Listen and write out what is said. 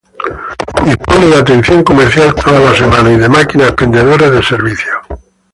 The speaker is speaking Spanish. Dispone de atención comercial toda la semana y de máquinas expendedoras de servicios.